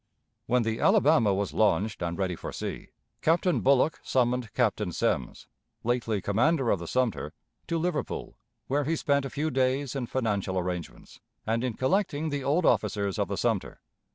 When the Alabama was launched and ready for sea, Captain Bullock summoned Captain Semmes, lately commander of the Sumter, to Liverpool, where he spent a few days in financial arrangements, and in collecting the old officers of the Sumter.